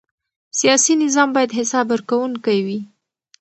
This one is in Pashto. سیاسي نظام باید حساب ورکوونکی وي